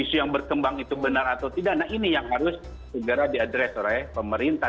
isu yang berkembang itu benar atau tidak nah ini yang harus segera diadres oleh pemerintah